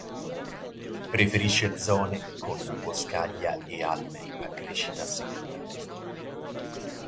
Preferisce zone con boscaglia e alberi a crescita secondaria.